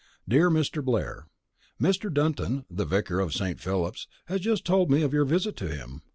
DEAR MR. BLAIR, Mr. Dunton, the vicar of S. Philip's, has just told me of your visit to him.